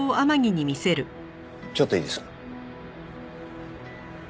ちょっといいですか？